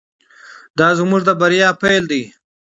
دا زموږ د بریا پیل دی.